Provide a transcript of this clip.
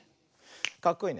かっこいいね。